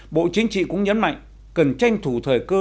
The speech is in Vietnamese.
bộ chính trị cũng nhấn mạnh cần tranh thủ thời cơ